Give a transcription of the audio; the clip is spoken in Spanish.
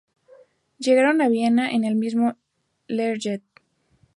Llegaron a Viena en el mismo Learjet.